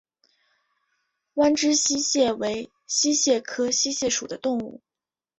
弯肢溪蟹为溪蟹科溪蟹属的动物。